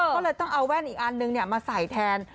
ก็เลยต้องเอาแว่นอีกอันนึงมาใส่แทน